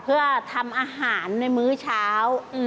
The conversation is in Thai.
เพื่อทำอาหารในมื้อเช้า